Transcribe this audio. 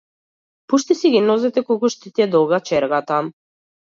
Пушти си ги нозете колку што ти е долга чергата.